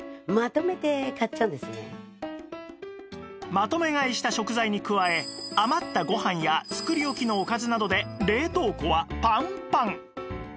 まとめ買いした食材に加え余ったご飯や作り置きのおかずなどで冷凍庫はパンパン